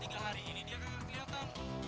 udah tiga hari ini dia kakak keliatan